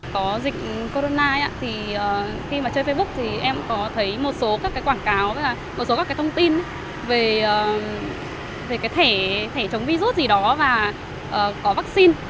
có dịch corona thì khi mà chơi facebook thì em có thấy một số các cái quảng cáo với là một số các cái thông tin về cái thẻ chống virus gì đó và có vaccine